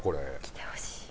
着てほしい。